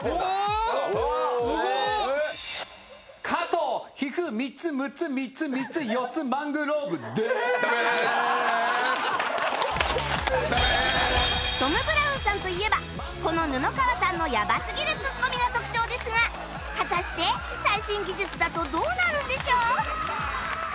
トム・ブラウンさんといえばこの布川さんのやばすぎるツッコミが特徴ですが果たして最新技術だとどうなるんでしょう？